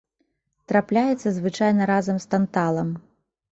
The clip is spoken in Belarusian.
Трапляецца звычайна разам з танталам.